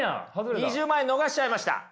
２０万円逃しちゃいました。